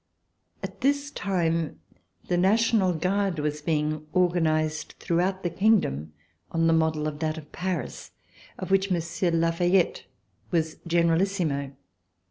At this time the National Guard was being organ ized throughout the kingdom on the model of that of Paris, of which Monsieur de La Fayette was Generalissimo.